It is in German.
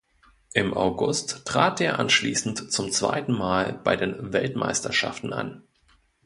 Im August trat er anschließend zum zweiten Mal bei den Weltmeisterschaften an.